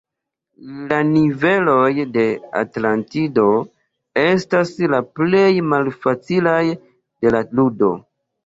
La niveloj de Atlantido estas la plej malfacilaj de la ludo.